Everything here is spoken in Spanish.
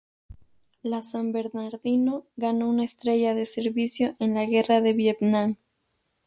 La San Bernardino ganó una estrella de servicio en la Guerra de Vietnam.